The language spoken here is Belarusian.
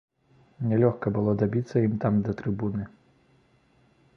Нялёгка было дабіцца ім там да трыбуны.